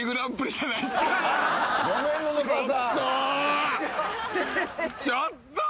ちょっと！